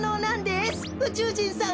うちゅうじんさん